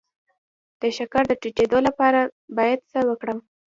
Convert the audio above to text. د شکر د ټیټیدو لپاره باید څه وکړم؟